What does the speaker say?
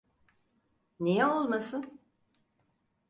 Niye olmasın?